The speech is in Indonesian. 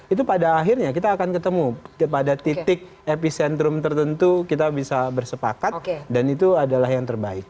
itu pada akhirnya kita akan ketemu pada titik epicentrum tertentu kita bisa bersepakat dan itu adalah yang terbaik